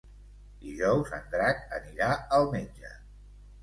Dijous en Drac anirà al metge.